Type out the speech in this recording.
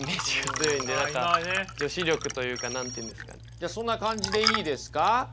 じゃあそんな感じでいいですか？